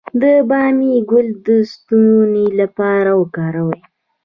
د بامیې ګل د ستوني لپاره وکاروئ